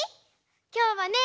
きょうはね